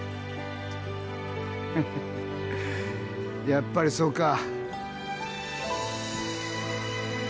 やっぱりそうか。